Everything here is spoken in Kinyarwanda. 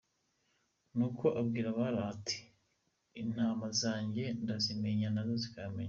Nuko abwira abari aho ati: "Intama zanjye ndazimenya nazo zikamenya. "